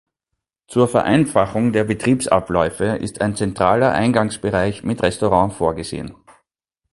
Zur Vereinfachung der Betriebsabläufe ist ein zentraler Eingangsbereich mit Restaurant vorgesehen.